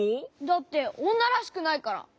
だっておんならしくないから！